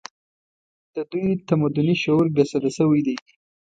د دوی تمدني شعور بې سده شوی دی